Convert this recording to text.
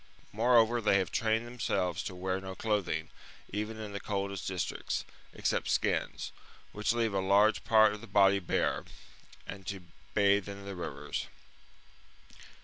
Moreover, they have trained themselves to wear no clothing, even in the coldest districts, except skins, which leave a large part of the body bare, and to bathe in the rivers.